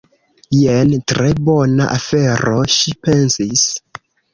"Jen tre bona afero," ŝi pensis.